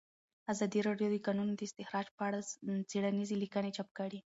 ازادي راډیو د د کانونو استخراج په اړه څېړنیزې لیکنې چاپ کړي.